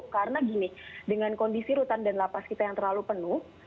karena gini dengan kondisi rutan dan lapas kita yang terlalu penuh